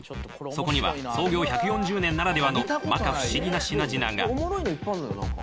そこには創業１４０年ならではのまか不思議な品々が。